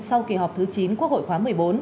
sau kỳ họp thứ chín quốc hội khóa một mươi bốn